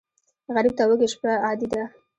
غریب ته وږې شپه عادي ده